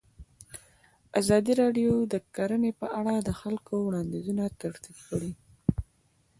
ازادي راډیو د کرهنه په اړه د خلکو وړاندیزونه ترتیب کړي.